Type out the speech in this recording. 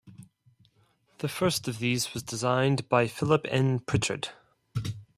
The first of these was designed by Philip N. Pritchard.